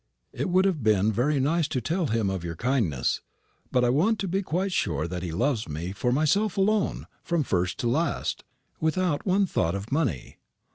It would have been very nice to tell him of your kindness; but I want to be quite sure that he loves me for myself alone from first to last without one thought of money."